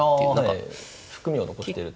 含みを残してると。